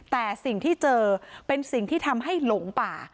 แต่สิ่งที่เจอเป็นสิ่งที่ทำให้หลงป่า